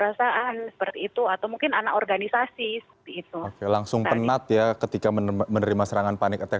oke langsung penat ya ketika menerima serangan panic attack